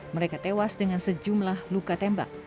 mereka tewas dengan sejumlah luka tembak